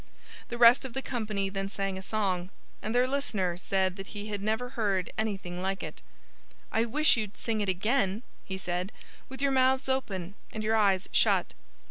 The rest of the company then sang a song. And their listener said that he had never heard anything like it. "I wish you'd sing it again," he said, "with your mouths open and your eyes shut."